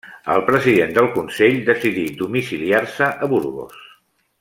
El president del consell decidí domiciliar-se a Burgos.